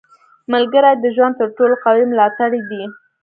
• ملګری د ژوند تر ټولو قوي ملاتړی دی.